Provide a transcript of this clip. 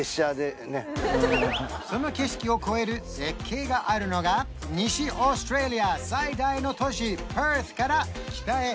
その景色を超える絶景があるのが西オーストラリア最大の都市